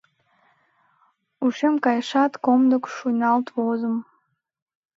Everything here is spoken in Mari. Ушем кайышат, комдык шуйналт возым.